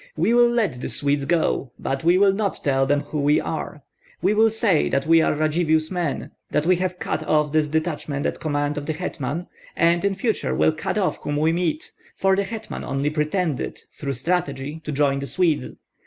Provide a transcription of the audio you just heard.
We will let the Swedes go, but we will not tell them who we are. We will say that we are Radzivill's men, that we have cut off this detachment at command of the hetman, and in future will cut off whom we meet, for the hetman only pretended, through strategy, to join the Swedes.